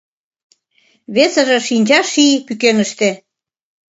Весыже шинча ший пӱкеныште.